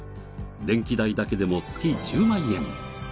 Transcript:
電気代だけでも月１０万円。